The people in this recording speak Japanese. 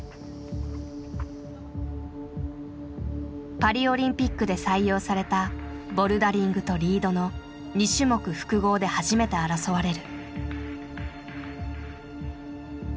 パリオリンピックで採用されたボルダリングとリードの「２種目複合」で初めて争われる。